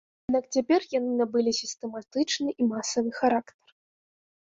Аднак цяпер яны набылі сістэматычны і масавы характар.